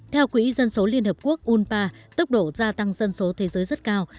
theo quỹ dân số liên hợp quốc unpa tốc độ gia tăng dân số thế giới rất cao